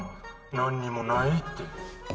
なんにもないって」